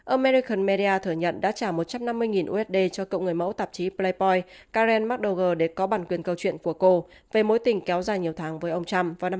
american media thừa nhận đã trả một trăm năm mươi usd cho cậu người mẫu tạp chí playboy karen mcdougal để có bản quyền câu chuyện của cô về mối tình kéo dài nhiều tháng với ông trump vào năm hai nghìn sáu và hai nghìn bảy